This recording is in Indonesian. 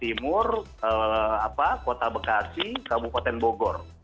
timur kota bekasi kabupaten bogor